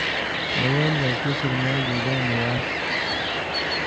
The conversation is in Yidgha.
اول ڤے پوسر ماگ اوگا نیواݰ